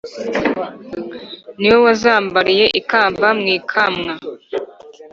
ni we wazambariye ikamba mw'ikamwa,